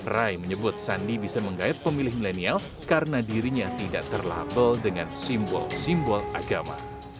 rai menyebut sandi bisa menggait pemilih milenial karena dirinya tidak terlabel dengan simbol simbol agama